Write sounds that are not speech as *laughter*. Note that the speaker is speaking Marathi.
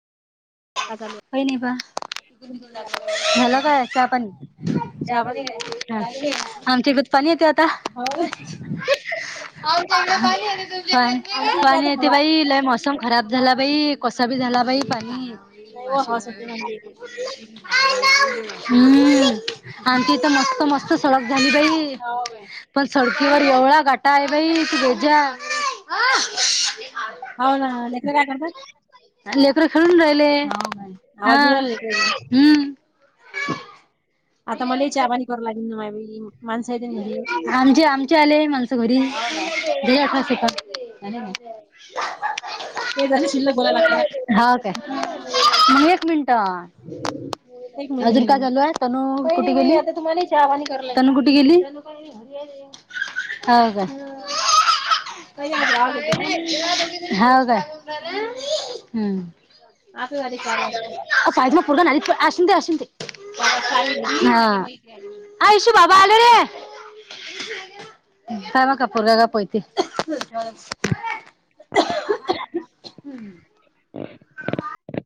का चालू होय नाही बा टिकूनिकून झाला काय असं आपण च चहा पय पाणी काय राहिलं आमचे भतपाणी येते आता हवा पण आमच्या इकडे पण आता येते हवा बाई लय म मोसम खराब झाला बाई कसा बी झाला बाई पाणी नाही व हवा सुटली ना आमच्या इकडे हम्म आ ते तर मस्त मस्त सळक झाली भ हा बाई. पण सडकीवर एवळा गाटा आहे बाई त भोज्या हा हो ना लेकरं काय करतात ले लेकडं खेळून राहिले हो काय हा आवाज येऊ राहिला लेकराचा हम्म आता मला चाबानी कराव लागेल ना माझबाई माणसां येते ना घरी आमचे आमचे आले माणसं घरी हो द आठरास ए का काय नाही का? ते जसे शिल्लक बोलायला लागते ना हा का हा, म एक मिनट एक म्हणे अजून काय चालू आहे तनू पहिली कुठे बाई गेली आ आता तुम्हाला चहा बंद करू लागली. तुम्हाहा कुठे गेली तरी पण हो का हम्म. त्यानी आज गावाला गेलते ना मी. हा का हम् आता झाले चार वाजता. पाहिदला फर् ना अस अससंत चार वाजता आली घरी. हा लगेच आली. आ यशु बाबा आलोरे का म कापूर का का पयती *inaudible*